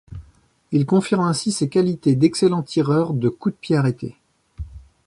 Il confirme ainsi ses qualités d'excellent tireur de coup de pied arrêté.